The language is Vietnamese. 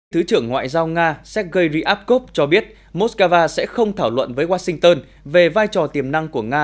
thứ trưởng ngoại giao nga sergei ryabkov cho biết moscow sẽ không thảo luận với washington về vai trò tiềm năng của nga